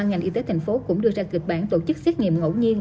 ngành y tế thành phố cũng đưa ra kịch bản tổ chức xét nghiệm ngẫu nhiên